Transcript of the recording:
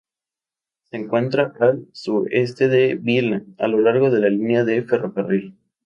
Se encuentra al sureste de Vilna a lo largo de la línea de ferrocarril.